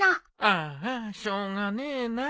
あーあしょうがねえな。